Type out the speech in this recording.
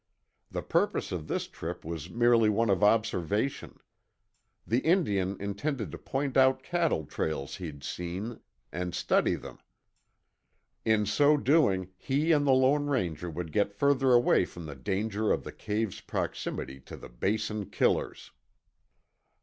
The purpose of this trip was merely one of observation. The Indian intended to point out cattle trails he'd seen, and study them. In so doing he and the Lone Ranger would get further away from the danger of the cave's proximity to the Basin killers.